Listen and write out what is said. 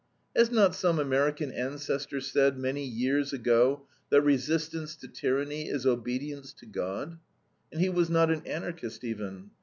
Has not some American ancestor said, many years ago, that resistance to tyranny is obedience to God? And he was not an Anarchist even.